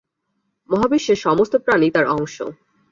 মহাবিশ্বের সমস্ত প্রাণী তাঁর অংশ।